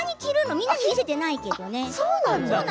みんなに見せてないけどね。